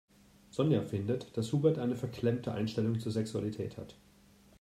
Sonja findet, dass Hubert eine verklemmte Einstellung zur Sexualität hat.